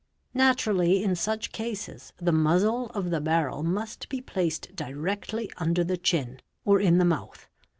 Naturally in such cases the muzzle of the barrel ~ must be placed directly under the chin or in the mouth.